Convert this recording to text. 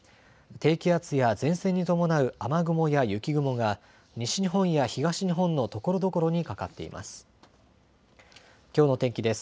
低気圧や前線に伴う雨雲や雪雲が西日本や東日本のところどころにかかっています。